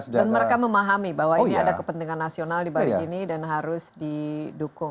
dan mereka memahami bahwa ini ada kepentingan nasional di balik gini dan harus didukung